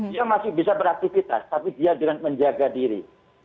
dia masih bisa beraktifitas tapi dia jangan menjaga diri